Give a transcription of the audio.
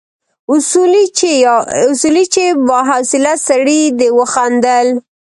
اصولي چې با حوصله سړی دی وخندل.